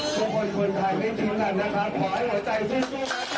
ทุกคนทางนี้จริงนะครับขอให้หัวใจสุด